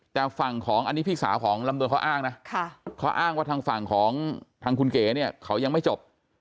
แต่ฝั่งของอันนี้พี่สาวของลำดวนเขาอ้างนะเขาอ้างว่าทางฝั่งของทางคุณเก๋เนี่ยเขายังไม่จบ